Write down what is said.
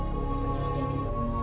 kau hati hati di rumah